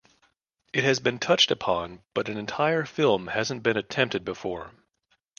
It has been touched upon but an entire film hasn’t been attempted before.